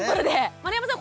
丸山さん